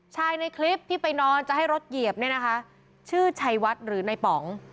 ในคลิปที่ไปนอนจะให้รถเหยียบเนี่ยนะคะชื่อชัยวัดหรือในป๋อง